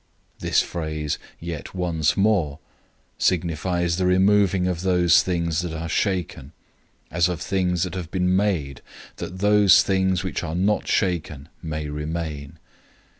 "{Haggai 2:6} 012:027 This phrase, "Yet once more," signifies the removing of those things that are shaken, as of things that have been made, that those things which are not shaken may remain.